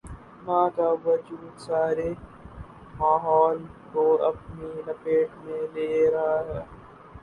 ماں کا وجودسارے ماحول کو اپنی لپیٹ میں لے رہا ہے۔